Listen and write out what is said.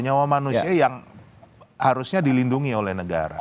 nyawa manusia yang harusnya dilindungi oleh negara